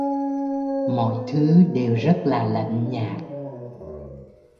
Mọi thứ đều rất là lạnh nhạt